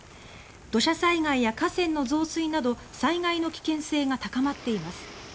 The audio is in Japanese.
土砂災害や河川の増水など災害の危険性が高まっています。